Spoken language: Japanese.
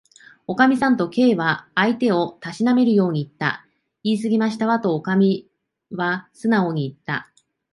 「おかみさん」と、Ｋ は相手をたしなめるようにいった。「いいすぎましたわ」と、おかみはすなおにいった。